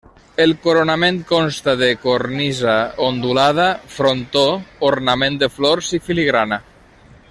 El coronament consta de cornisa ondulada, frontó, ornament de flors i filigrana.